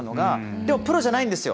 でもプロじゃないんですよ。